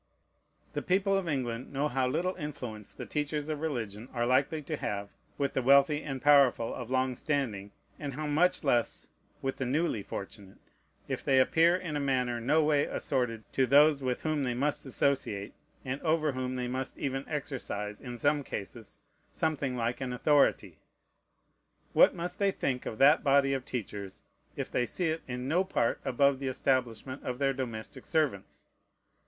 The people of England know how little influence the teachers of religion are likely to have with the wealthy and powerful of long standing, and how much less with the newly fortunate, if they appear in a manner no way assorted to those with whom they must associate, and over whom they must even exercise, in some cases, something like an authority. What must they think of that body of teachers, if they see it in no part above the establishment of their domestic servants?